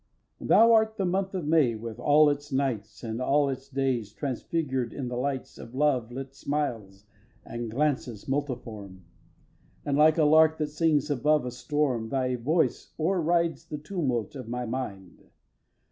xi. Thou art the month of May with all its nights And all its days transfigured in the lights Of love lit smiles and glances multiform; And, like a lark that sings above a storm, Thy voice o'er rides the tumult of my mind.